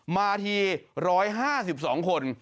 มาที๑๕๒คน